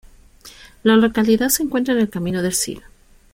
La localidad se encuentra en el Camino del Cid.